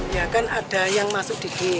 ya kan ada yang masuk dikit